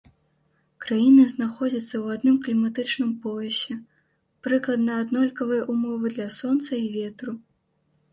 Краіны знаходзяцца ў адным кліматычным поясе, прыкладна аднолькавыя ўмовы для сонца і ветру.